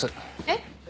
えっ？